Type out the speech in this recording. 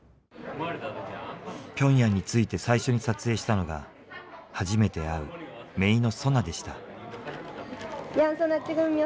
ピョンヤンに着いて最初に撮影したのが初めて会う姪のソナでした。